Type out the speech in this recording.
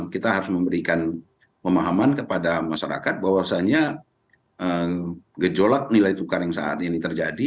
kita harus memberikan pemahaman kepada masyarakat bahwasannya gejolak nilai tukar yang saat ini terjadi